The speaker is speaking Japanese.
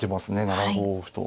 ７五歩と。